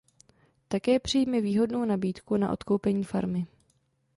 Také přijme výhodnou nabídku na odkoupení farmy.